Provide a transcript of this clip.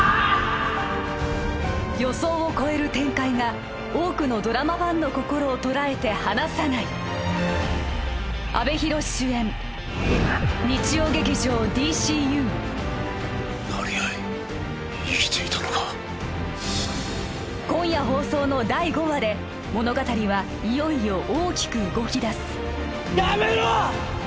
予想を超える展開が多くのドラマファンの心をとらえて離さない成合生きていたのか今夜放送の第５話で物語はいよいよ大きく動きだすやめろ！